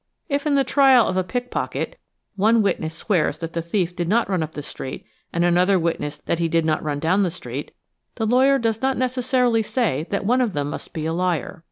If in the trial of a pickpocket one witness swears that the thief did not run up the street and another witness that he did not run down the street the lawyer does not necessarily say that one of them must be a liar.